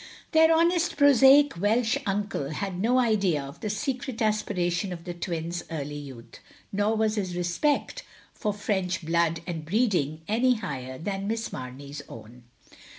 Their honest, prosaic Welsh uncle had no idea of the secret aspirations of the twins' early youth, nor was his respect for French blood and breeding any higher than Miss Mamey 's own.